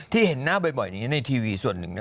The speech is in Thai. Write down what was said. ที่เห็นหน้าบ่อยในทีวีส่วนหนึ่ง